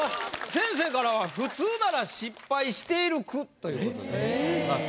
先生からは「普通なら失敗している句」ということでございます。